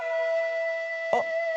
あっ。